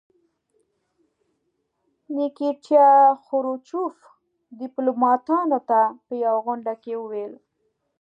نیکیتیا خروچوف ډیپلوماتانو ته په یوه غونډه کې وویل.